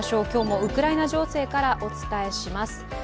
今日もウクライナ情勢からお伝えします。